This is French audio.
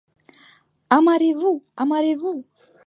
Amarrez-vous ! amarrez-vous !